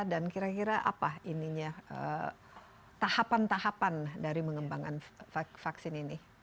dan kira kira apa tahapan tahapan dari mengembangkan vaksin ini